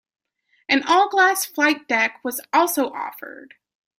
An all-glass flight deck was also offered.